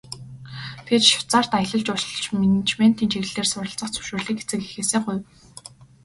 Тэгээд Швейцарьт аялал жуулчлал, менежментийн чиглэлээр суралцах зөвшөөрлийг эцэг эхээсээ гуйв.